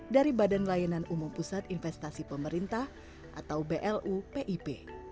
dari badan layanan umum pusat investasi pemerintah atau blu pip